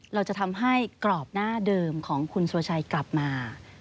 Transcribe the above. เราจะทำให้กรอบหน้าเดิมของคุณสุรชัยกลับมา